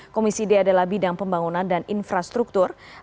komisi d adalah bidang pembangunan dan infrastruktur